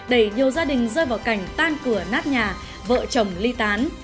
đẩy nhiều gia đình rơi vào cảnh tan cửa nát nhà vợ chồng ly tán